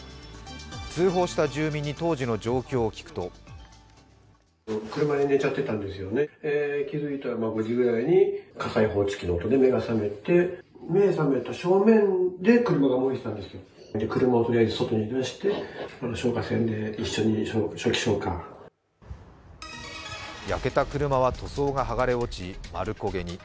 通報した住民に当時の状況を聞くと焼けた車は塗装が剥がれ落ち、丸焦げに。